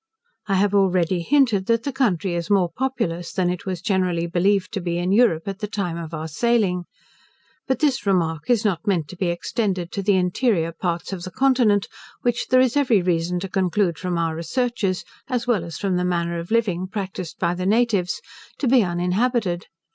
I have already hinted, that the country is more populous than it was generally believed to be in Europe at the time of our sailing. But this remark is not meant to be extended to the interior parts of the continent, which there is every reason to conclude from our researches, as well as from the manner of living practised by the natives, to be uninhabited.